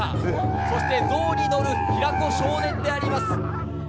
そして象に乗る平子少年であります。